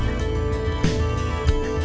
disini ada baik dua uang